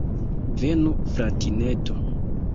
Venu, fratineto!